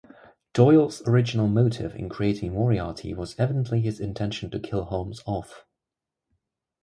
Doyle's original motive in creating Moriarty was evidently his intention to kill Holmes off.